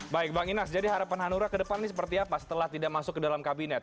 baik bang inas jadi harapan hanura ke depan ini seperti apa setelah tidak masuk ke dalam kabinet